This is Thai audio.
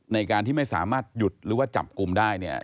ในการที่ไม่สามารถหยุดหรือว่าจับกลุ่มได้เนี่ย